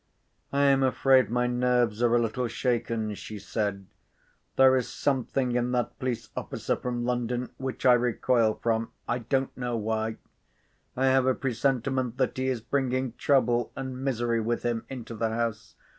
"I am afraid my nerves are a little shaken," she said. "There is something in that police officer from London which I recoil from—I don't know why. I have a presentiment that he is bringing trouble and misery with him into the house.